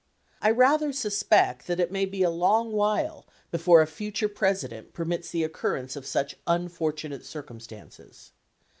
I rather suspect that it may be a long while before a future President permits the occurrence of such unfortunate circumstances.